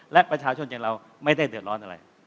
และประชาชนอย่างเราไม่ได้เดือดร้อนอะไร